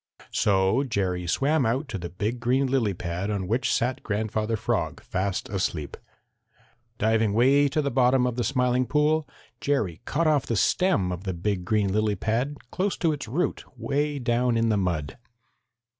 So Jerry swam out to the big green lily pad on which sat Grandfather Frog fast asleep. Diving way to the bottom of the Smiling Pool, Jerry cut off the stem of the big green lily pad close to its root way down in the mud.